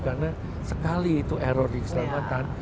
karena sekali itu error di keselamatan